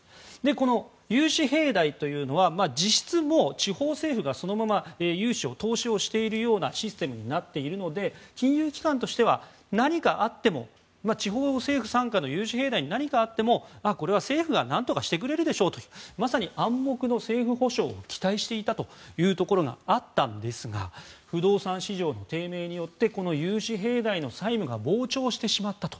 この融資平台というのは実質地方政府がそのまま融資を投資しているようなシステムになっているので金融機関としては地方政府傘下の融資平台に何かあってもこれは政府が何とかしてくれるでしょうとまさに、暗黙の政府保証を期待していたところがあったんですが不動産市場の低迷によってこの融資平台の債務が膨張してしまったと。